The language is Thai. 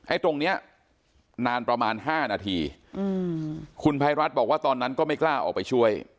ตรงเนี้ยนานประมาณ๕นาทีคุณภัยรัฐบอกว่าตอนนั้นก็ไม่กล้าออกไปช่วย